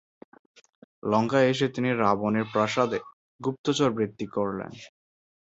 লঙ্কায় এসে তিনি রাবণের প্রাসাদে গুপ্তচরবৃত্তি করলেন।